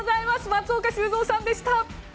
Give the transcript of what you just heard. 松岡修造さんでした！